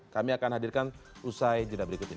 kami akan hadirkan usai jeda berikut ini